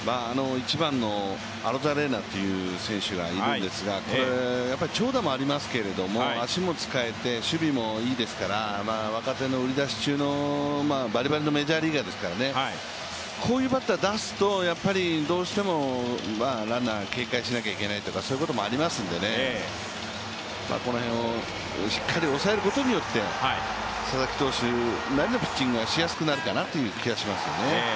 １番のアロザレーナという選手がいるんですが長打もありますけれども、足も使えて守備もいいですから、若手の売り出し中のバリバリのメジャーリーガーですからねこういうバッター出すと、どうしてもランナー警戒しなきゃいけないとかそういうことがありますのでこの辺をしっかり抑えることによって佐々木投手なりのピッチングがしやすくなるかなという気はしますよね。